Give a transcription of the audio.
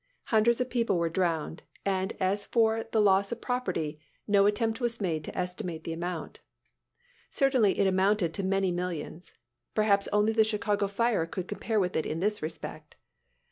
Hundreds of people were drowned; and as for the losses of property, no attempt was made to estimate the amount. Certainly it amounted to many millions. Perhaps only the Chicago fire could compare with it in this respect.